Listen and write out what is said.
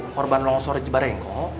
korban longsor reci barengko